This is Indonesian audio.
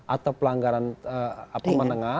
atau pelanggaran apa menengah